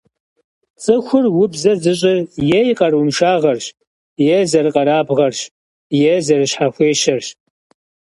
ЦӀыхур убзэ зыщӀыр е и къарууншагъэрщ, е зэрыкъэрабгъэрщ, е зэрыщхьэхуещэрщ.